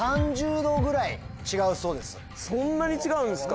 そんなに違うんですか。